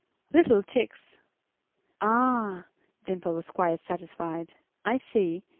"Little chicks." "Ah!" Dimple was quite satisfied. "I see.